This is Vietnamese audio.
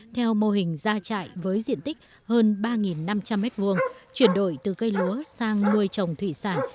theo mô hình ra trại với diện tích hơn ba năm trăm linh m hai chuyển đổi từ cây lúa sang nuôi trồng thủy sản